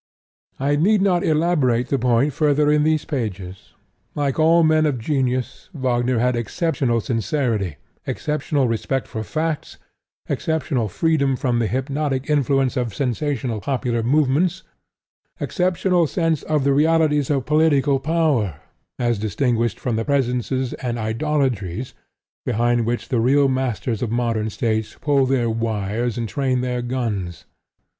I need not elaborate the point further in these pages. Like all men of genius, Wagner had exceptional sincerity, exceptional respect for facts, exceptional freedom from the hypnotic influence of sensational popular movements, exceptional sense of the realities of political power as distinguished from the presences and idolatries behind which the real masters of modern States pull their wires and train their guns.